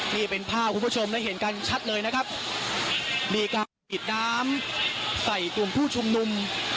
นี่เป็นภาพคุณผู้ชมได้เห็นกันชัดเลยนะครับมีการฉีดน้ำใส่กลุ่มผู้ชุมนุม